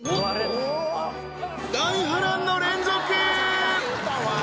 大波乱の連続！